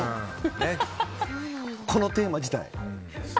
このテーマ自体。